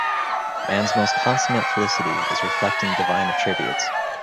Man's most consummate felicity is reflecting Divine attributes.